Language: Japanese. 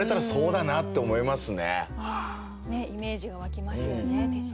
イメージが湧きますよね手品。